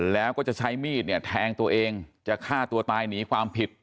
แล้วก็จะใช้มีดเนี่ยแทงตัวเองจะฆ่าตัวตายหนีความผิด